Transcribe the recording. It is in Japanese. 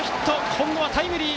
今度はタイムリー。